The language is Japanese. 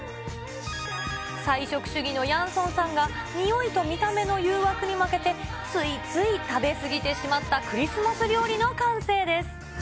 菜食主義のヤンソンさんが、匂いと見た目の誘惑に負けてついつい食べ過ぎてしまったクリスマス料理の完成です。